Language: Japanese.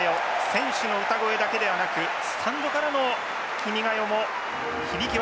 選手の歌声だけではなくスタンドからの「君が代」も響き渡りました。